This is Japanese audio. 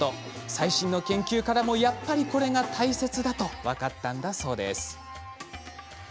最新の研究からもやっぱりこれが大切だと分かったんだそうです